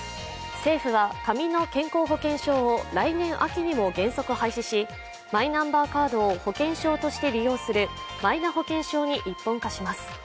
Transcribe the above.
政府は、紙の健康保険証を来年秋にも原則廃止しマイナンバーカードを保険証として利用するマイナ保険証に一本化します。